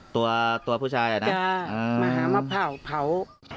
ตัวผู้ชายอ่ะนะมาเผา